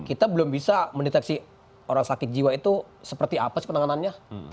kita belum bisa mendeteksi orang sakit jiwa itu seperti apa sih penanganannya